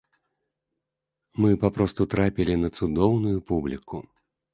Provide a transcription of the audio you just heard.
Мы папросту трапілі на цудоўную публіку.